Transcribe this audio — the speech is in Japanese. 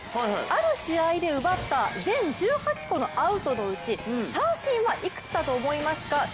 ある試合で奪った全１８個のアウトのうち三振は、いくつだと思いますか？